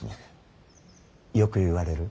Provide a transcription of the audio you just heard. よく言われる。